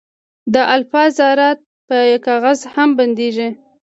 د الفا ذرات په کاغذ هم بندېږي.